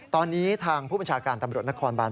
ตอนนี้ทางผู้บัญชาการตำรวจนครบาน